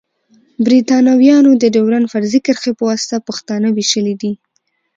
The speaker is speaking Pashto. بريتانويانو د ډيورنډ فرضي کرښي پواسطه پښتانه ويشلی دی.